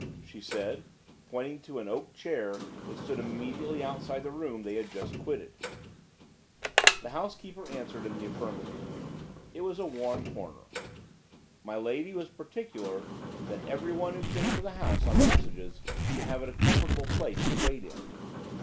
she said, pointing to an oak chair that stood immediately outside the room they had just quitted. The housekeeper answered in the affirmative. It was a warm corner. "My lady" was particular that everyone who came to the house on messages should have a comfortable place to wait in.